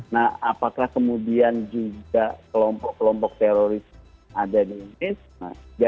nah apakah kemudian juga kelompok kelompok teroris ada di indonesia